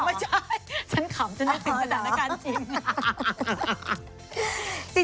ไม่ใช่ฉันขำจนได้ถึงประจานการณ์จริง